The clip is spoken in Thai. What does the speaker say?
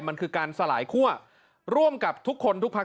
มันคือการสลายคั่วร่วมกับทุกคนทุกพัก